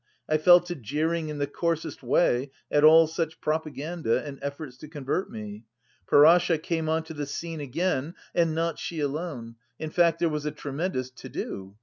I fell to jeering in the coarsest way at all such propaganda and efforts to convert me; Parasha came on to the scene again, and not she alone; in fact there was a tremendous to do.